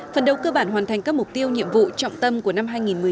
phần đầu cơ bản hoàn thành các mục tiêu nhiệm vụ trọng tâm của năm hai nghìn một mươi chín